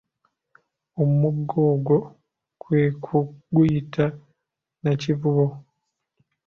Omugga ogwo kwe kuguyita Nakivubo.